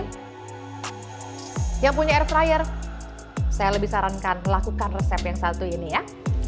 yang punya air fryer saya lebih sarankan melakukan resep yang satu ini ya